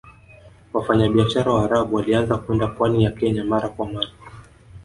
Wafanyabiashara Waarabu walianza kwenda pwani ya Kenya mara kwa mara